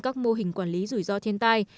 các mô hình quản lý rủi ro thiên tai